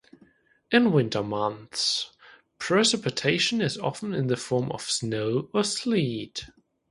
In winter months, precipitation is often in the form of snow or sleet.